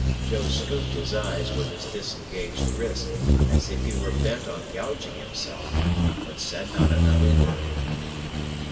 Joe scooped his eyes with his disengaged wrist, as if he were bent on gouging himself, but said not another word.